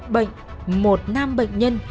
bệnh một nam bệnh nhân